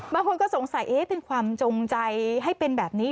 บางคนก็สงสัยเป็นความจงใจให้เป็นแบบนี้